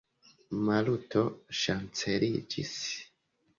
Maluto ŝanceliĝis.